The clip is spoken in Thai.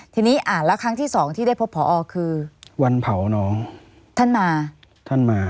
ทีนี้อ่านแล้วครั้งที่สองที่ได้พบพอคือวันเผาน้องท่านมาท่านมา